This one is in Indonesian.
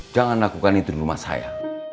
jangan lakukan itu di rumah saya